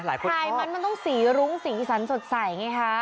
ก็พลายมันมันต้องสีรุ้งสีสันสดใสอย่างงี้ค่ะ